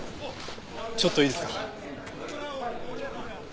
ちょっといいですか？